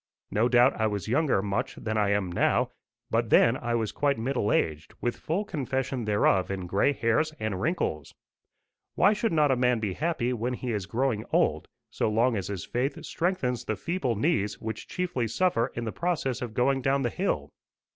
No doubt I was younger much than I am now, but then I was quite middle aged, with full confession thereof in gray hairs and wrinkles. Why should not a man be happy when he is growing old, so long as his faith strengthens the feeble knees which chiefly suffer in the process of going down the hill?